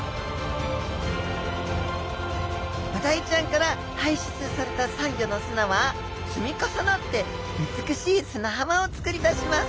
ブダイちゃんから排出されたサンゴの砂は積み重なって美しい砂浜をつくり出します。